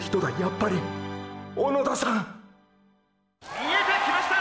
「見えてきました！